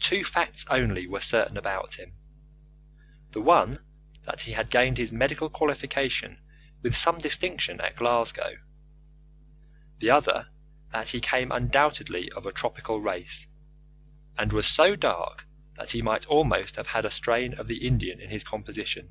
Two facts only were certain about him; the one that he had gained his medical qualification with some distinction at Glasgow; the other that he came undoubtedly of a tropical race, and was so dark that he might almost have had a strain of the Indian in his composition.